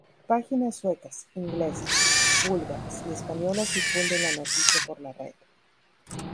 Páginas suecas, inglesas, búlgaras y españolas difunden la noticia por la red.